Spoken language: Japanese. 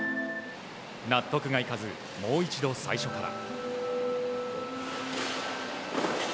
納得がいかずもう一度最初から。